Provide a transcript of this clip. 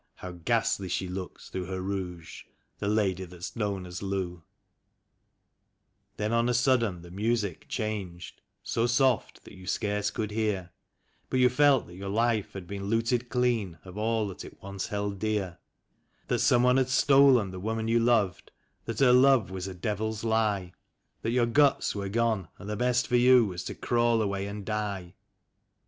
how gliastly she looks through her rouge, — the lady that's known as Lou). THE SHOOTING OF DAN McGREW. 33 Then on a sudden the music changed, so soft that you scarce could hear; But you felt that your life had been looted clean of all that it once held dear; That someone had stolen the woman you loved; that her love was a devil's lie; That your guts were gone, and the best for you was to crawl away and die.